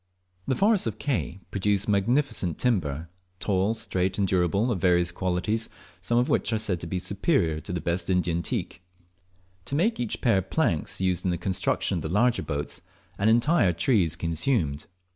The forests of Ke produce magnificent timber, tall, straight, and durable, of various qualities, some of which are said to be superior to the best Indian teak. To make each pair of planks used in the construction of the larger boats an entire tree is consumed.